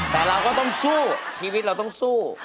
แต่เราก็ต้องสู้ชีวิตเราต้องสู้